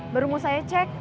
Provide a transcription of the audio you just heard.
baru mau saya cek